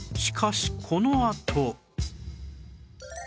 しかしこのあと